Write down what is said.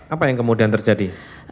apa yang kemudian terjadi